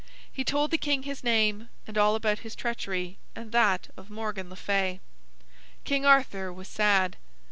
He told the king his name, and all about his treachery, and that of Morgan le Fay. King Arthur was sad.